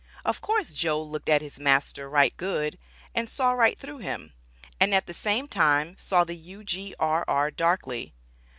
Of course "Joe" looked at his master "right good" and saw right through him, and at the same time, saw the U.G.R.R., "darkly."